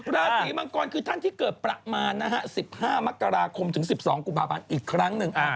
ราศีมังกรคือท่านที่เกิดประมาณนะฮะ๑๕มกราคมถึง๑๒กุมภาพันธ์อีกครั้งหนึ่ง